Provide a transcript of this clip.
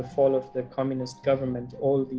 setelah kematian pemerintahan komunis